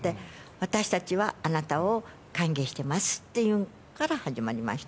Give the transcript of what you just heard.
私たちはあなたを歓迎してますっていうのから始まりました。